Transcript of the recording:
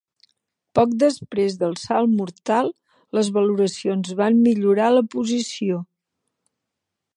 Poc després del salt mortal, les valoracions van millorar la posició.